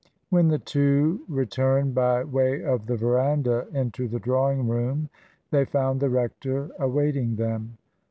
When the two returned by way of the verandah into the drawing room, they found the rector awaiting them.